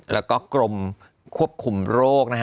แล้วก็กรมควบคุมโรคนะฮะ